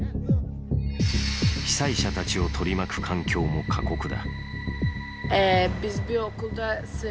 被災者たちを取り巻く環境も過酷だ。